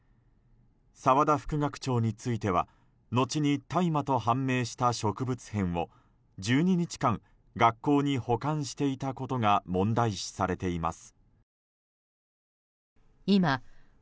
澤田副学長については後に大麻と判明した植物片を１２日間学校に保管していたことが問題視されています。